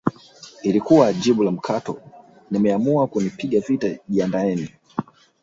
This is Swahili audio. lilikuwa jibu la mkato mmeamua kunipiga vita jiandaeni